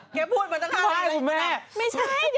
เกลียดพูดเหมือนกันครับไม่คุณแม่ไม่ใช่เดี๋ยวว่า